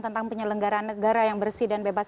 tentang penyelenggaran negara yang bersih dan bebas